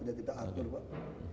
udah kita atur pak